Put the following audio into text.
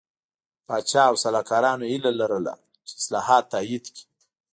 پاچا او سلاکارانو یې هیله لرله چې اصلاحات تایید کړي.